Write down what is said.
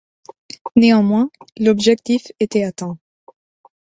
Néanmoins, l'objectif était atteint.